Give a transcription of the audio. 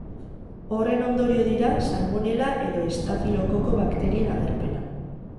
Horren ondorio dira salmonela edo estafilokoko bakterien agerpena.